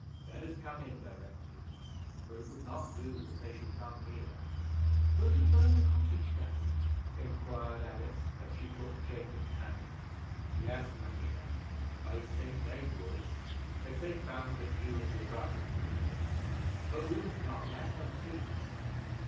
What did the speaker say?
Let us come in directly, for it would not do that they should come here." "Will they burn the cottage down?" inquired Alice, as she took Jacob's hand. "Yes, my dear, I think they would, if they found that you and your brothers were in it; but we must not let them see you."